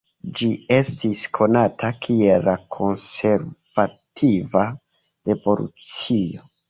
Ĝi estis konata kiel la Konservativa Revolucio.